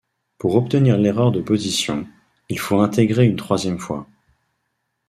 Pour obtenir l'erreur de position, il faut intégrer une troisième fois.